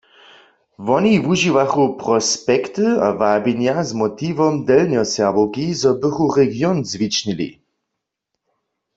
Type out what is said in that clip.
Woni wužiwachu prospekty a wabjenja z motiwom Delnjoserbowki, zo bychu region zwičnili.